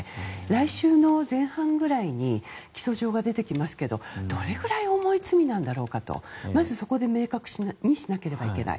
来週の前半ぐらいに起訴状が出てきますがどれぐらい重い罪なんだろうかとまずそこで明確にしなければいけない。